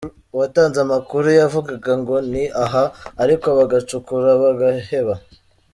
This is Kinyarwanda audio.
Uwatanze amakuru yavugaga ngo ‘ni aha’ ariko bagacukura bagaheba.